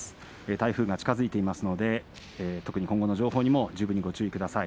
台風が近づいていますので今後の情報にも十分ご注意ください。